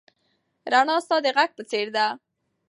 رڼا ستا د غږ په څېر ده.